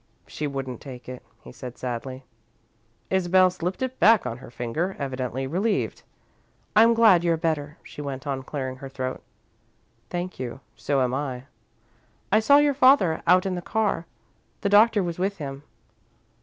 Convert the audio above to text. "She wouldn't take it," he said, sadly. Isabel slipped it back on her finger, evidently relieved. "I'm glad you're better," she went on, clearing her throat. "Thank you. So am I." "I saw your father, out in the car. The Doctor was with him."